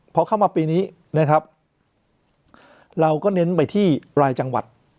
พอเข้ามาปีนี้นะครับเราก็เน้นไปที่รายจังหวัด